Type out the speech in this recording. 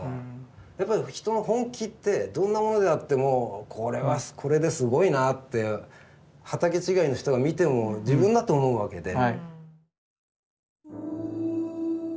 やっぱり人の本気ってどんなものであってもこれはこれですごいなって畑違いの人が見ても自分だって思うわけで。